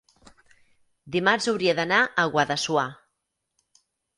Dimarts hauria d'anar a Guadassuar.